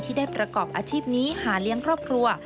ได้ประกอบอาชีพนี้หาเลี้ยงครอบครัว